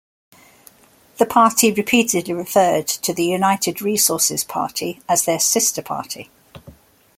The party repeatedly referred to the United Resources Party as their "sister party".